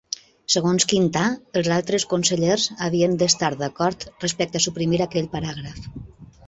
Segons Quintà, els altres consellers havien d'estar d'acord respecte a suprimir aquell paràgraf.